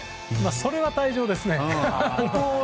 それは退場ですね。